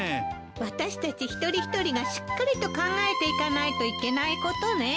私たち一人一人がしっかりと考えていかないといけないことね。